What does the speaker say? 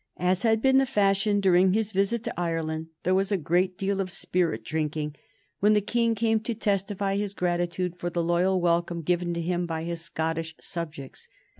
As had been the fashion during his visit to Ireland, there was a good deal of spirit drinking when the King came to testify his gratitude for the loyal welcome given to him by his Scottish subjects.